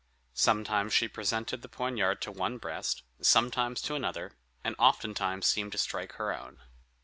Sometimes she presented the poniard to one breast, sometimes to another, and oftentimes seemed to strike her own.